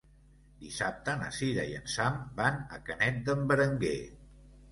Dissabte na Cira i en Sam van a Canet d'en Berenguer.